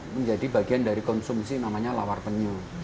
menjadi bagian dari konsumsi namanya lawar penyu